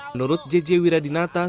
menurut jj wiradinata